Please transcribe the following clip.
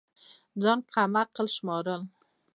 ځان كم عقل شمارل